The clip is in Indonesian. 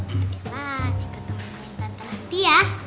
bella ikut temen cinta nanti ya